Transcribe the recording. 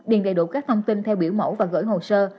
điền đầy đủ các thông tin theo biểu mẫu và gửi hồ sơ